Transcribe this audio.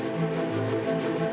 jadi kita harus mencari yang lebih baik